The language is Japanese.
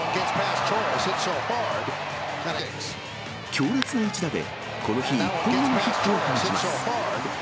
強烈な一打で、この日１本目のヒットを放ちます。